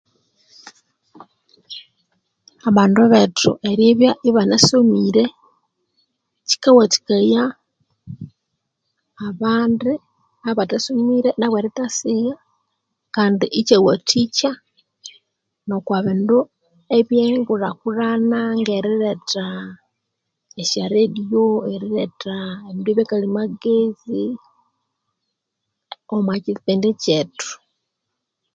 Abandu bethu eribya ibanasomire kyikawathikaya abandi abathasomire nabo irithasigha kandi ekyawathikya nokwa ebindu ebye ngulhakulhana nge riretha esya rediyo eriretha ebindu bya kalyamagezi omwa kyipindi kyethu